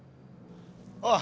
ああ。